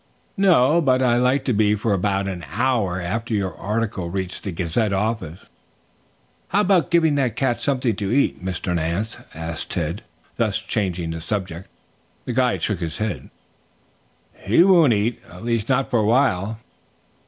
"No, but I'd like to be for about an hour after your article reached the 'Gazette' office." "How about giving that cat something to eat, Mr. Nance?" asked Tad, thus changing the subject. The guide shook his head. "He wouldn't eat; at least not for a while."